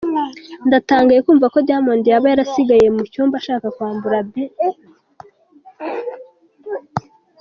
Ndatangaye kumva ko Diamond yab yarasigaye mu cyumba ashaka kwambura Bi.